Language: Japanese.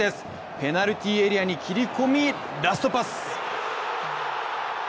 ペナルティーエリアに切り込みラストパス！